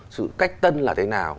sự cách tân là thế nào